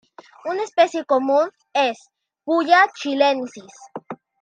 Una especie común es "Puya chilensis".